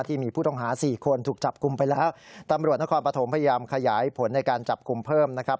ที่มีผู้ต้องหาสี่คนถูกจับกลุ่มไปแล้วตำรวจนครปฐมพยายามขยายผลในการจับกลุ่มเพิ่มนะครับ